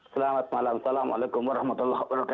selamat malam assalamualaikum wr wb